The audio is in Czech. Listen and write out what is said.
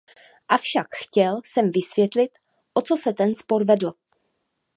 Avšak chtěl jsem vysvětlit, o co se ten spor vedl.